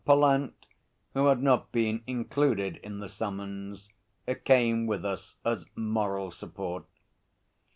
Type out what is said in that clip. Pallant, who had not been included in the summons, came with us as moral support.